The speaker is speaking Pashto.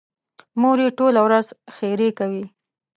مور یې ټوله ورځ ښېرې کوي.